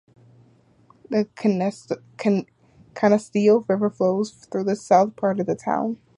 The Canisteo River flows through the south part of the town.